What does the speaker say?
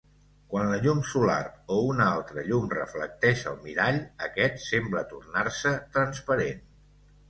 Quan la llum solar o una altra llum reflecteix al mirall, aquest sembla tornar-se transparent.